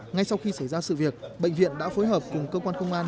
ngay sau khi xảy ra sự việc bệnh viện đã phối hợp cùng cơ quan công an